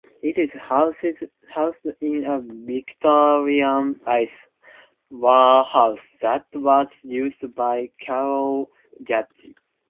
It is housed in a Victorian ice warehouse that was used by Carlo Gatti.